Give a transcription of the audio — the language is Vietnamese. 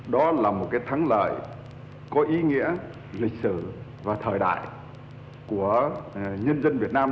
đó là một thắng lợi có ý nghĩa lịch sử và thời đại của nhân dân việt nam